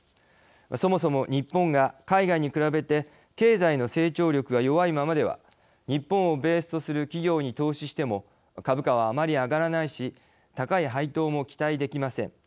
そもそも、日本が海外に比べて経済の成長力が弱いままでは日本をベースとする企業に投資しても株価はあまり上がらないし高い配当も期待できません。